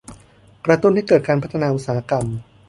กระตุ้นให้เกิดการพัฒนาอุตสาหกรรม